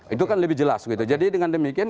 itu kan lebih jelas gitu jadi dengan demikian